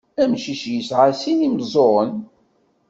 Amcic yesɛa sin imeẓẓuɣen.